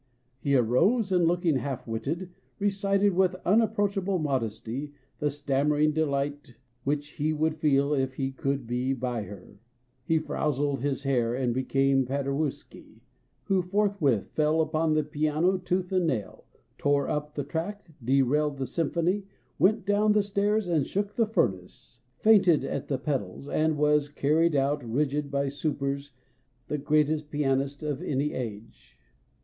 He arose, and looking half witted, recited with unapproachable modest} the stammering delight which he would feel if he could be by Her ! He frowsled his hair and became Paderewski, who forthwith fell upon the piano tooth and nail, tore up the track, derailed the symphony, went down stairs and shook the furnace, fainted at the pedals, and was carried out rigid by supers the greatest pianist of any age.